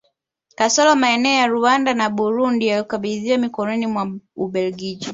Kasoro maeneo ya Rwanda na Burundi yaliyokabidhiwa mikononi mwa Ubelgiji